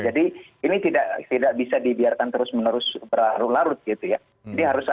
jadi ini tidak bisa dibiarkan terus menerus berlarut larut gitu ya